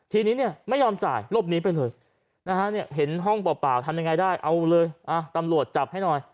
ทีนี้เนี่ยไม่ยอมจ่ายลบนี้ไปเลยนะฮะเห็นห้องเปล่าทำยังไงได้เอาเลยตำรวจจับให้หน่อย